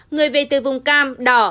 người về từ vùng cam đỏ